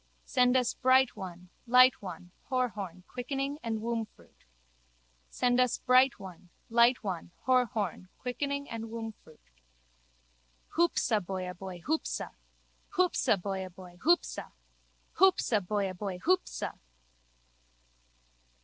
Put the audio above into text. Send us bright one, light one, Horhorn, quickening and wombfruit. Send us bright one, light one, Horhorn, quickening and wombfruit. Hoopsa boyaboy hoopsa! Hoopsa boyaboy hoopsa! Hoopsa boyaboy hoopsa!